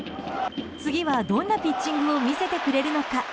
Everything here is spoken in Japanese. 次はどんなピッチングを見せてくれるのか。